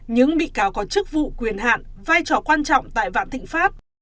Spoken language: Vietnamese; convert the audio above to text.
những bị cáo có chức vụ quyền hạn vai trò quan trọng tại vạn thịnh pháp